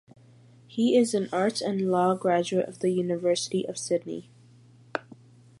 He is an arts and law graduate of the University of Sydney.